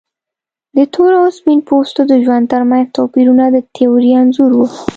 د تور او سپین پوستو د ژوند ترمنځ توپیرونه د تیورۍ انځور و.